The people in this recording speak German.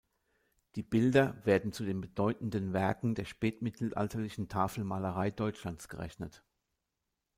Die Bilder werden zu den bedeutenden Werken der spätmittelalterlichen Tafelmalerei Deutschlands gerechnet.